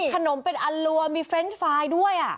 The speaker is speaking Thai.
ขนมเป็นอลัวมีเฟรนด์ไฟล์ด้วย